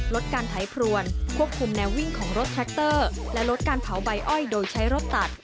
ลดการไถพรวนควบคุมแนววิ่งของรถแทรคเตอร์และลดการเผาใบอ้อยโดยใช้รถตัด